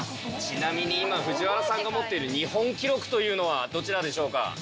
ちなみに今藤原さんが持っている日本記録というのはどちらでしょうか？